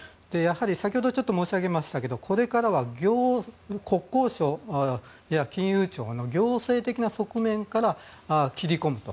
先ほど申し上げましたがこれからは国交省や金融庁の行政的な側面から切り込むと。